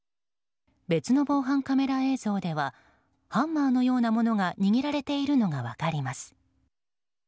別の防犯カメラ映像ではハンマーのようなものが握られているのが分かります。